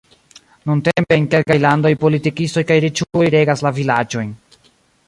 Nuntempe en kelkaj landoj politikistoj kaj riĉuloj regas la vilaĝojn.